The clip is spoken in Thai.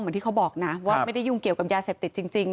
ที่เขาบอกนะว่าไม่ได้ยุ่งเกี่ยวกับยาเสพติดจริง